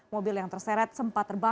mobil yang terserat sempat terserat